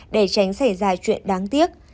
để tránh xảy ra chuyện đáng tiếc